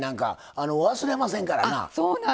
忘れませんからな。